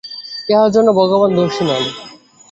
ইহার জন্য ভগবান দোষী নন।